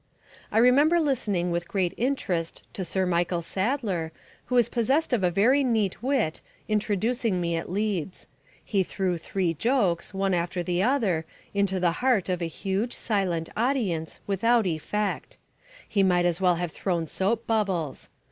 I remember listening with great interest to Sir Michael Sadler, who is possessed of a very neat wit, introducing me at Leeds. He threw three jokes, one after the other, into the heart of a huge, silent audience without effect. He might as well have thrown soap bubbles.